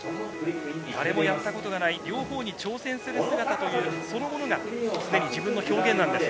誰もやったことがない両方に挑戦する姿そのものがすでに自分の表現なんです。